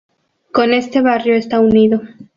Con este barrio está unido.